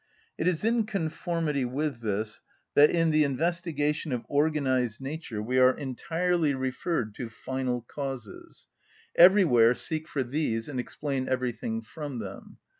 It is in conformity with this that in the investigation of organised nature we are entirely referred to final causes, everywhere seek for these and explain everything from them.